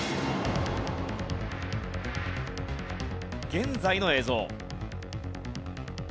現在の映像。